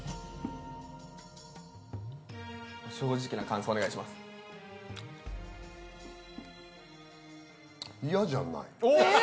正直な感想お願いしますおおっ！